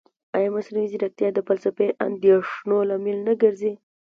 ایا مصنوعي ځیرکتیا د فلسفي اندېښنو لامل نه ګرځي؟